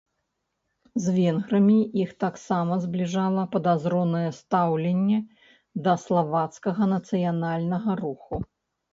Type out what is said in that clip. З венграмі іх таксама збліжала падазронае стаўленне да славацкага нацыянальнага руху.